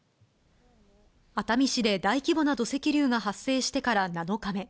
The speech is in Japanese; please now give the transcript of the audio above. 熱海市で大規模な土石流が発生してから７日目。